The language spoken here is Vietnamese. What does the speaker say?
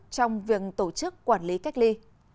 trong việc tổ chức quản lý cách ly